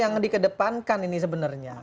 yang dikedepankan ini sebenarnya